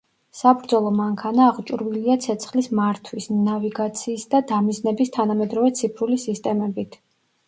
საბრძოლო მანქანა აღჭურვილია ცეცხლის მართვის, ნავიგაციის და დამიზნების თანამედროვე ციფრული სისტემებით.